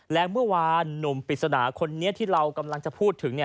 และเมื่อวานหนุ่มปริศนาคนนี้ที่เรากำลังจะพูดถึง